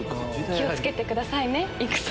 気を付けてくださいね戦。